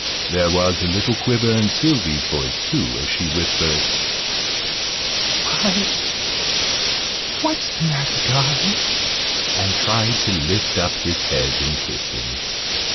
There was a little quiver in Sylvie's voice too, as she whispered "Why, what's the matter, darling?" and tried to lift up his head and kiss him.